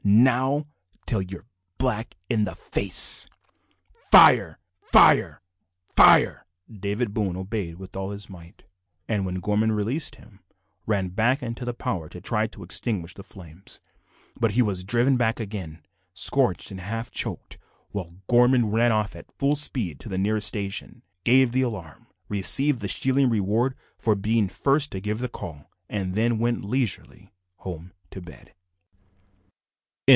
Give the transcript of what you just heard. now till you're black in the face fire! Fire!! FIRE!!!" David Boone obeyed with all his might, and, when Gorman released him, ran back into the parlour to try to extinguish the flames, but he was driven back again, scorched and half choked, while Gorman ran off at full speed to the nearest station, gave the alarm, received the shilling reward for being first to give the call, and then went leisurely home to bed.